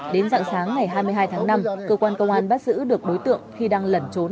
đến dạng sáng ngày hai mươi hai tháng năm cơ quan công an bắt giữ được đối tượng khi đang lẩn trốn